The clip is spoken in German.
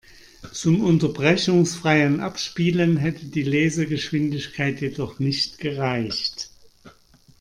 Zum unterbrechungsfreien Abspielen hätte die Lesegeschwindigkeit jedoch nicht gereicht.